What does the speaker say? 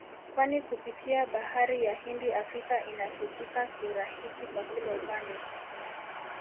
kwani kupitia bahari ya Hindi Afrika inafikika kiurahisi kwa kila upande